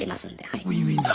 はい。